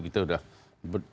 kita sudah bercerita